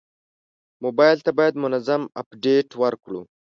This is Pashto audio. موبایل ته باید منظم اپډیټ ورکړو.